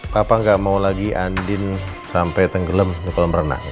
papa gak mau lagi andin sampai tenggelem untuk berenang